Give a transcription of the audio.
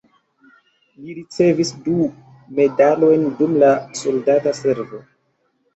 Li ricevis du medalojn dum la soldata servo.